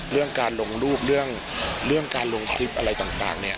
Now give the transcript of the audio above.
เรื่องการลงรูปเรื่องการลงคลิปอะไรต่างเนี่ย